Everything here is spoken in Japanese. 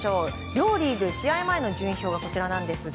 両リーグ試合前の順位表がこちらです。